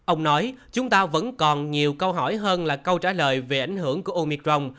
ông nói chúng ta vẫn còn nhiều câu hỏi hơn là câu trả lời về ảnh hưởng của omicron